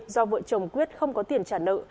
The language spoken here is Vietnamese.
do vợ chồng quyết không có tiền trả nợ